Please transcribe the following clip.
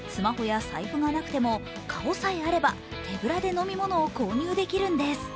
スマホや財布がなくても顔さえあれば、手ぶらで飲み物を購入できるんです。